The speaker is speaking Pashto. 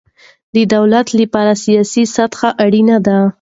د دولت له پاره سیاسي سطحه اړینه ده.